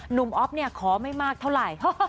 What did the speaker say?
อ๊อฟเนี่ยขอไม่มากเท่าไหร่